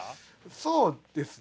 そうですね。